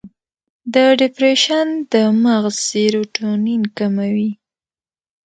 د ډیپریشن د مغز سیروټونین کموي.